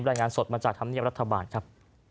รายงานสดมาจากธรรมเนียบรัฐบาลครับ